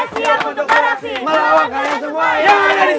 siap untuk bereaksi